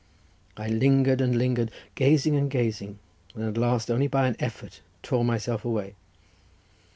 I lingered and lingered, gazing and gazing, and at last only by an effort tore myself away.